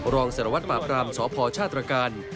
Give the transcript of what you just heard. รองสารวัตรปราบรามสพชาตรการ